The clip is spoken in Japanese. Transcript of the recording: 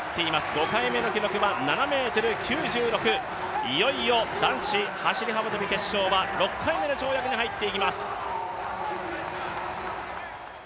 ５回目の記録は７ｍ９６、いよいよ男子走幅跳決勝は６回目の跳躍に入っていきます。